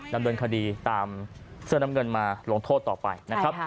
ดำเนินคดีตามเสื้อน้ำเงินมาลงโทษต่อไปนะครับ